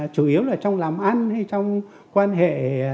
chủ yếu là trong làm ăn hay trong quan hệ